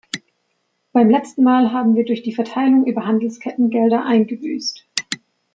Beim letzten Mal haben wir durch die Verteilung über Handelsketten Gelder eingebüßt.